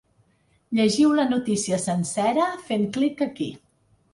Llegiu la notícia sencera fent clic aquí.